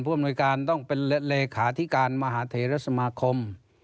อำนวยการต้องเป็นเลขาธิการมหาเทรสมาคม